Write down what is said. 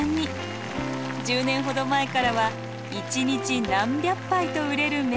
１０年ほど前からは一日何百杯と売れる名物となりました。